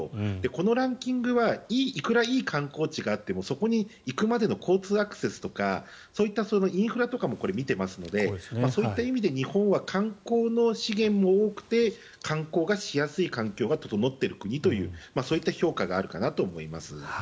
このランキングはいくらいい観光地があってもそこに行くまでの交通アクセスとかインフラとかも見てますのでそういった意味で日本は観光の資源も多くて観光がしやすい環境が整っている国というそういった評価があるかなと思います。